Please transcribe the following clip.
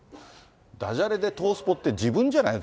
だじゃれで東スポって、自分じゃないの？